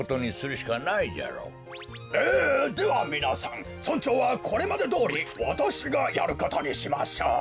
えではみなさん村長はこれまでどおりわたしがやることにしましょう。